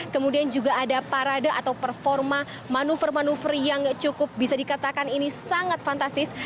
kemudian juga ada parade atau performa manuver manuver yang cukup bisa dikatakan ini sangat fantastis